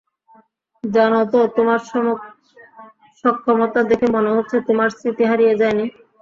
জানো তো, তোমার সক্ষমতা দেখে মনে হচ্ছে তোমার স্মৃতি হারিয়ে যায় নি।